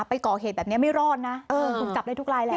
ไปก่อเหตุแบบนี้ไม่รอดนะถูกจับได้ทุกรายแล้ว